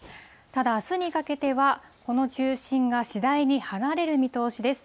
ただ、あすにかけては、この中心が次第に離れる見通しです。